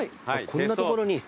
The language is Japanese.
こんな所に。